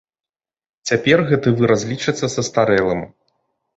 Цяпер гэты выраз лічыцца састарэлым.